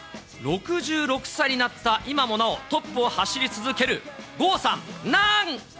６６歳になった今もなおトップを走り続ける郷さん。